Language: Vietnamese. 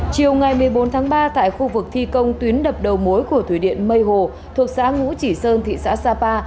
chiều ngày một mươi bốn tháng ba tại khu vực thi công tuyến đập đầu mối của thủy điện mây hồ thuộc xã ngũ chỉ sơn thị xã sapa